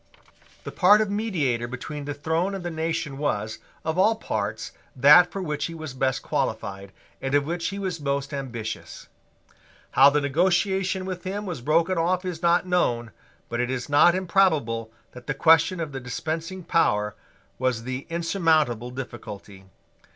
The part of mediator between the throne and the nation was, of all parts, that for which he was best qualified, and of which he was most ambitious. How the negotiation with him was broken off is not known: but it is not improbable that the question of the dispensing power was the insurmountable difficulty.